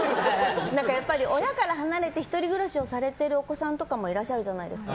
やっぱり親から離れて１人暮らしをされてるお子さんもいらっしゃるじゃないですか。